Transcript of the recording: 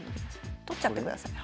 取っちゃってください。